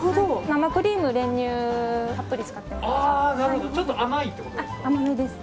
生クリーム、練乳たっぷり使ってます。